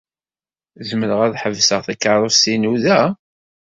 Zemreɣ ad ḥebseɣ takeṛṛust-inu da?